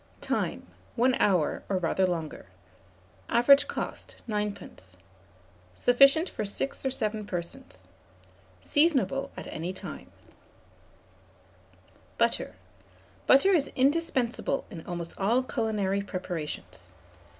Time. 1 hour, or rather longer. Average cost, 9d. Sufficient for 6 or 7 persons. Seasonable at any time. BUTTER. Butter is indispensable in almost all culinary preparations.